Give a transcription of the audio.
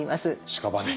しかばね？